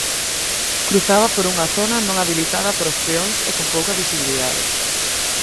Cruzaba por unha zona non habilitada para os peóns e con pouca visibilidade.